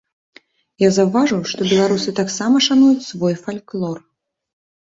Я заўважыў, што беларусы таксама шануюць свой фальклор.